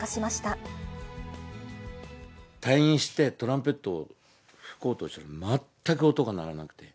退院して、トランペットを吹こうとしても全く音が鳴らなくて。